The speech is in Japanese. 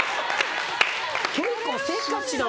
結構せっかちなの。